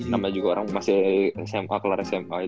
nama juga orang masih sma kalau sma